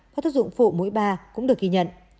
và thuật dụng phụ mũi ba cũng được ghi nhận